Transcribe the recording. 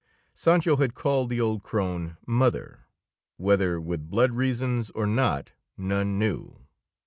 Sancho had called the old crone mother, whether with blood reasons or not none knew.